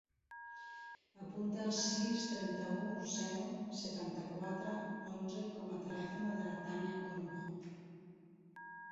Apunta el sis, trenta-u, zero, setanta-quatre, onze com a telèfon de la Tània Corujo.